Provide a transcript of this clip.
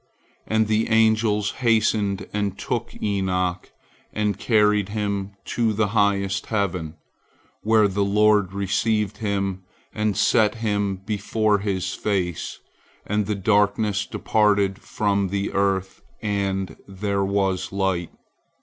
And the angels hasted and took Enoch, and carried him to the highest heaven, where the Lord received him and set him before His face, and the darkness departed from the earth, and there was light.